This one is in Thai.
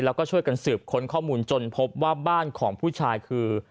แล้วก็ช่วยกันสืบค้นข้อมูลจนพบว่าบ้านของผู้ชายคือ